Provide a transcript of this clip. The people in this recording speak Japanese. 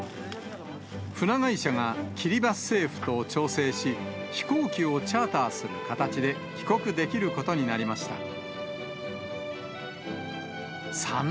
船会社がキリバス政府と調整し、飛行機をチャーターする形で帰国できることになりました。